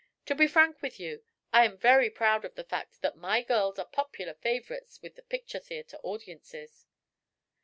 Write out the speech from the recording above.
To be frank with you, I am very proud of the fact that my girls are popular favorites with the picture theatre audiences."